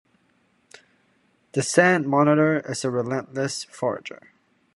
The sand monitor is a relentless forager.